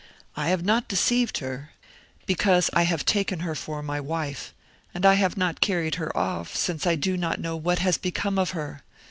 I have not deceived her, because I have taken her for my wife; and I have not carried her off, since I do not know what has become of her.